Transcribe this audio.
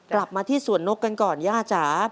กลับมาที่สวนนกกันก่อนย่าจ๋า